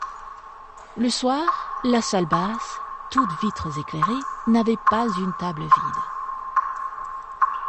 Le soir, la salle basse, toutes vitres éclairées, n’avait pas une table vide.